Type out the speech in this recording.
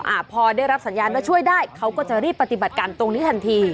อ่าพอได้รับสัญญาณว่าช่วยได้เขาก็จะรีบปฏิบัติการตรงนี้ทันที